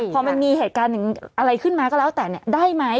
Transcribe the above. พอมันมีเหตุการณ์อะไรขึ้นมาก็แล้วแต่ได้ไหม